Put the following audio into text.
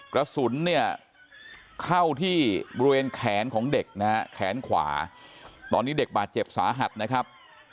กระสุนเนี่ยเข้าที่บริเวณแขนของเด็กนะฮะแขนขวาตอนนี้เด็กบาดเจ็บสาหัสนะครับ